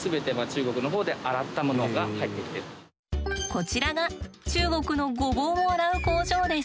こちらが中国のごぼうを洗う工場です。